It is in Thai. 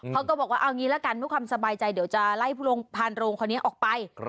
เขาก็บอกว่าเอางี้ละกันเพื่อความสบายใจเดี๋ยวจะไล่ผู้พานโรงคนนี้ออกไป